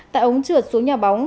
tại ống trượt xuống nhà bóng